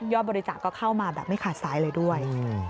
บริจาคก็เข้ามาแบบไม่ขาดสายเลยด้วย